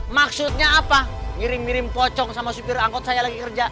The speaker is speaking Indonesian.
maksudnya apa ngirim ngirim pocong sama supir angkot saya lagi kerja